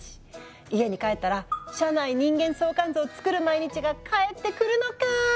家に帰ったら社内人間相関図を作る毎日が帰ってくるのか！